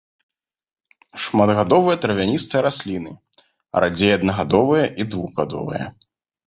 Шматгадовыя травяністыя расліны, радзей аднагадовыя і двухгадовыя.